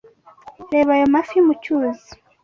Reba ayo mafi mu cyuzi.